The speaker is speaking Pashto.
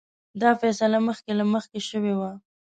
دا فیصله مخکې له مخکې شوې وه.